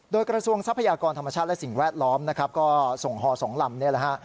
โดยกระทรวงทรัพยากรธรรมชาติและสิ่งแวดล้อมนะครับก็ส่งห่อส่งหลำเนี่ยแหละฮะ